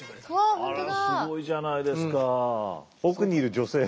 あらすごいじゃないですか。